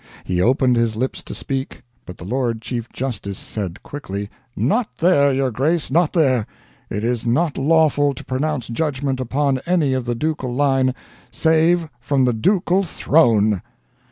He opened his lips to speak, but the Lord Chief Justice said quickly: "Not there, your Grace, not there! It is not lawful to pronounce judgment upon any of the ducal line SAVE FROM THE DUCAL THRONE!"